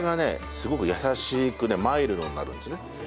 すごく優しくねマイルドになるんですね。